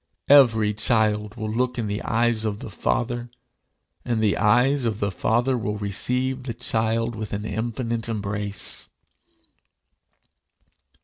Every child will look in the eyes of the Father, and the eyes of the Father will receive the child with an infinite embrace.